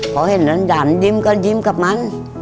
เขาเห็นร้านหยั่นยิ้มก็ยิ้มกับมัน